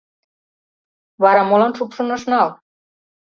Вара молан шупшын ыш нал?